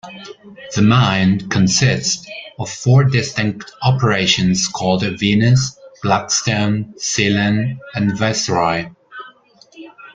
The mine consists of four distinct operations called Venus, Gladstone, Ceylon and Viceroy.